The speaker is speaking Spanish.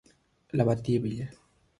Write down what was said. La Bâtie-Vieille